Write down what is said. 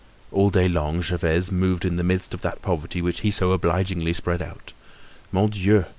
All day long Gervaise moved in the midst of that poverty which he so obligingly spread out. _Mon Dieu!